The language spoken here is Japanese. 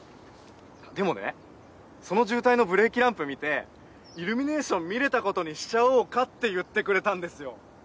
でもねその渋滞のブレーキランプ見てイルミネーション見れたことにしちゃおうかって言ってくれたんですよ。